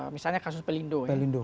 misalnya kasus pelindo